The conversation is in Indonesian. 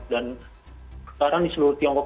dan sekarang di tiongkok